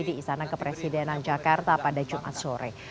di istana kepresidenan jakarta pada jumat sore